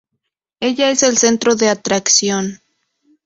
Ella es el centro de atracción.